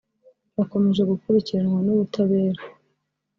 bakomeje gukurikiranwa n’ubutabera